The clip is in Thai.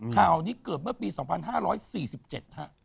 ข่าวนี้เกิดเมื่อปี๒๕๔๗ฮะ